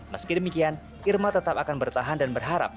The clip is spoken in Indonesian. meski demikian irma tetap akan bertahan dan berharap